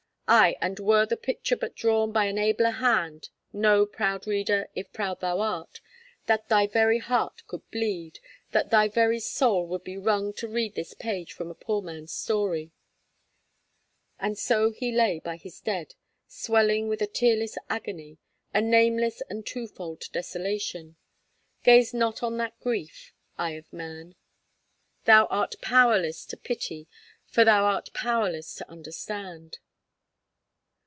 Ay, and were the picture but drawn by an abler hand, know proud reader, if proud thou art, that thy very heart could bleed, that thy very soul would be wrung to read this page from a poor man's story. And so he lay by his dead, swelling with a tearless agony, a nameless and twofold desolation. Gaze not on that grief eye of man: thou art powerless to pity, for thou art powerless to understand.